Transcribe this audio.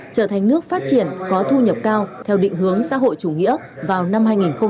trở thành nước phát triển có thu nhập cao theo định hướng xã hội chủ nghĩa vào năm hai nghìn ba mươi